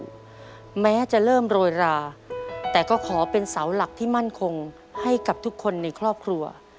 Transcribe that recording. ด้วยแม้จะเริ่มโรยราแต่ก็ขอเป็นเสาหลักที่มั่นคงให้กับทุกคนในครอบครัว